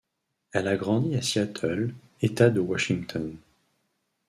Elle a grandi à Seattle, État de Washington.